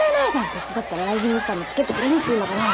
手伝ったらライジングスターのチケットくれるって言うんだから。